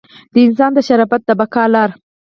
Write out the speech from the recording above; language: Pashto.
د انسان د شرافت د بقا لاره.